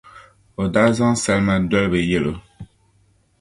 o daa zaŋ salima dolibi yɛli o.